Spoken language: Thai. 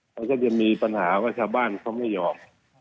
ก็จะมีปัญหาปลาชาบ้านเขาไม่ยอม